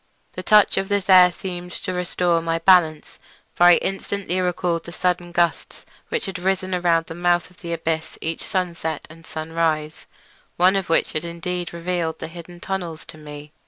The touch of this air seemed to restore my balance, for I instantly recalled the sudden gusts which had risen around the mouth of the abyss each sunset and sunrise, one of which had indeed served to reveal the hidden tunnels to me.